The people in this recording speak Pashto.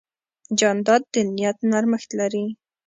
جانداد د نیت نرمښت لري.